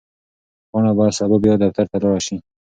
پاڼه باید سبا بیا دفتر ته لاړه شي.